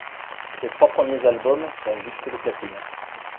Ces trois premiers albums sont disques de platine.